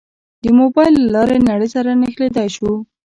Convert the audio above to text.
د موبایل له لارې نړۍ سره نښلېدای شو.